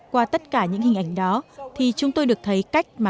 qua tất cả những hình ảnh đó thì chúng tôi được thấy cách mà